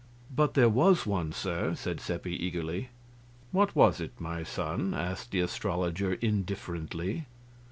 "But there was one, sir," said Seppi, eagerly. "What was it, my son?" asked the astrologer, indifferently.